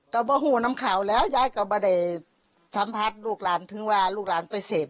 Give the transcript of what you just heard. ก็บอกว่าน้ำขาวแล้วย้ายก็ไม่ได้ช้ำพัดลูกหลานถึงว่าลูกหลานไปเซฟ